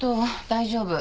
大丈夫。